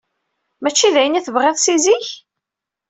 Mačči d ayen i tebɣiḍ si zik?